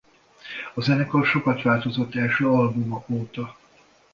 A zenekar sokat változott első albuma óta.